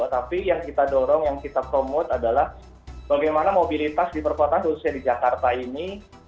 tapi yang kita dorong yang kita promote adalah bagaimana mobilitas di perkotaan khususnya di jakarta ini